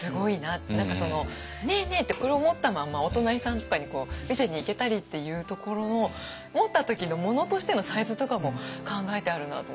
何か「ねえねえ」ってこれを持ったまんまお隣さんとかに見せに行けたりっていうところの持った時の物としてのサイズとかも考えてあるなと思ってすごいと。